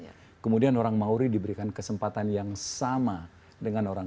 baru adalah kultur mauri kemudian orang mauri diberikan kesempatan yang sama dengan orang